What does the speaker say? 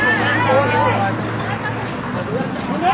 เฮ้ยเฮ้ยเฮ้ย